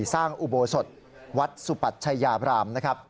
สร้างอุโบสถวัดสุปัชยาบรามนะครับ